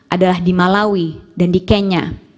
adalah di malawi dan di kenya